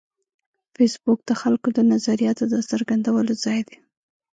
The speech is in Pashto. فېسبوک د خلکو د نظریاتو د څرګندولو ځای دی